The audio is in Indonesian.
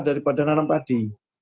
daripada nanam padi